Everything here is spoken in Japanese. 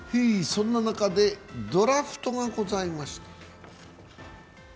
そんな中でドラフトがございました。